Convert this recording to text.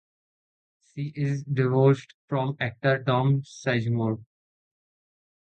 She is divorced from actor Tom Sizemore.